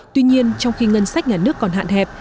tuy nhiên trong khi ngân sách nhà nước còn hạn hẹp